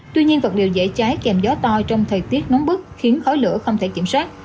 tuy nhiên vật liệu dễ cháy kèm gió to trong thời tiết nóng bức khiến khói lửa không thể kiểm soát